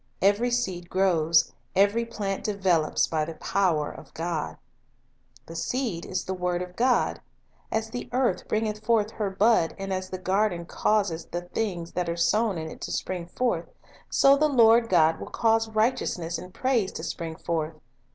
Every seed grows, every plant develops, by the power of God. "The seed is the word of God." "As the earth 1 Mark 4 : 26 28. Lessofis of Life 105 bringeth forth her bud, and as the garden causeth the things that are sown in it to spring forth, so the Lord God will cause righteousness and praise to spring forth."